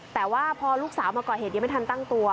แต่ว่าพอลูกสาวมาก่อเหตุยังไม่ทันตั้งตัว